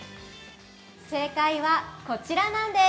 正解はこちらなんです。